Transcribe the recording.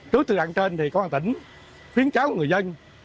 trước từ đằng trên thì có hoàn tỉnh khuyến cáo người dân